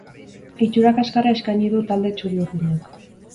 Itxura kaskarra eskaini du talde txuri-urdinak.